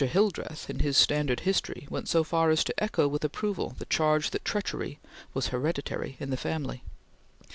Hildreth, in his standard history, went so far as to echo with approval the charge that treachery was hereditary in the family.